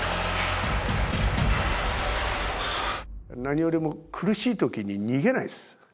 何よりも苦しい時に逃げないです。